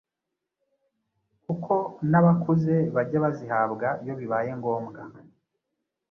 kuko n’abakuze bajya bazihabwa iyo bibaye ngombwa,